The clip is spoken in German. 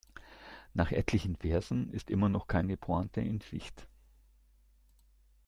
Nach etlichen Versen ist immer noch keine Pointe in Sicht.